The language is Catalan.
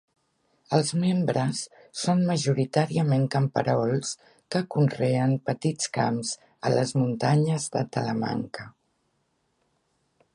Els membres són majoritàriament camperols que conreen petits camps a les muntanyes de Talamanca.